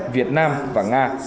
việt nam và nga